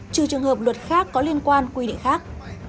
trừ trường hợp luật khác có liên quan quy định khác